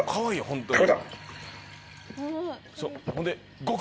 本当に。